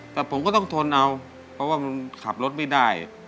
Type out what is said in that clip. แต่ผมก็ต้องทนเอาเพราะว่ามันขับรถไม่ได้